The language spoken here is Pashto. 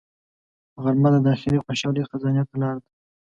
غرمه د داخلي خوشحالۍ خزانې ته لار ده